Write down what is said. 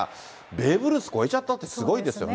ベーブ・ルース超えちゃったって、すごいですよね。